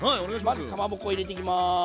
まずかまぼこ入れていきます。